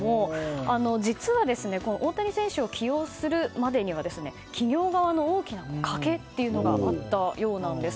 実は大谷選手を起用するまでには企業側の大きな賭けがあったようなんです。